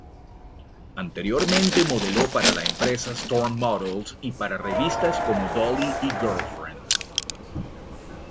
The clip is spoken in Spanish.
Anteriormente modeló para la empresa Storm Models y para revistas como Dolly y Girlfriend.